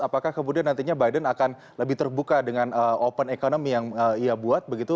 apakah kemudian nantinya biden akan lebih terbuka dengan open economy yang ia buat begitu